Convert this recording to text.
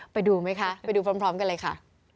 ไปดูไหมคะไปดูพร้อมกันเลยค่ะ